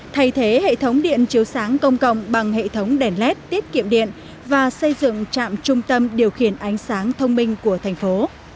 thay thế hệ thống điện chiếu sáng công cộng bằng hệ thống đèn led tiết kiệm điện và xây dựng trạm trung tâm điều khiển ánh sáng thông minh của thành phố